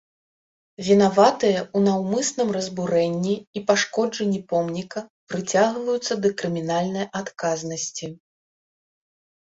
Вінаватыя ў наўмысным разбурэнні і пашкоджанні помніка прыцягваюцца да крымінальнай адказнасці.